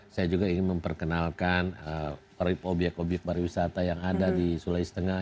saya juga ingin memperkenalkan obyek obyek pariwisata yang ada di sulawesi tengah